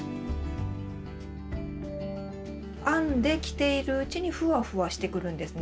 編んで着ているうちにふわふわしてくるんですね。